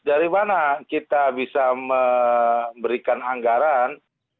dari mana kita bisa memberikan anggaran